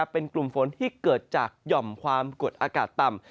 เป็นกลุ่มฝนที่เกิดจากหย่อมความกดอากาศต่ำ